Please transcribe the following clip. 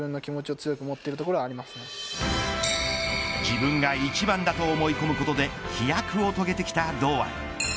自分が一番だと思い込むことで飛躍を遂げてきた堂安。